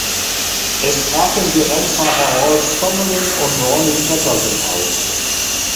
Es traten die Rennfahrer Rolf Stommelen und Ronnie Peterson auf.